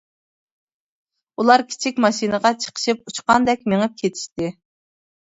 ئۇلار كىچىك ماشىنىغا چىقىشىپ ئۇچقاندەك مېڭىپ كېتىشتى.